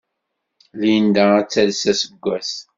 Linda ad tales aseggas!